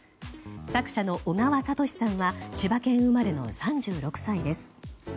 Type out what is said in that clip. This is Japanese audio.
作者の小川哲さんは千葉県生まれの３６歳です。